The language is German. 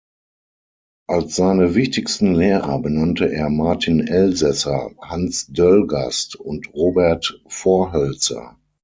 Als seine wichtigsten Lehrer benannte er Martin Elsaesser, Hans Döllgast und Robert Vorhoelzer.